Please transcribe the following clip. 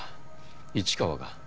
市川が。